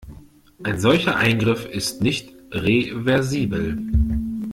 Ein solcher Eingriff ist nicht reversibel.